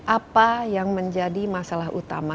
apa yang menjadi masalah utama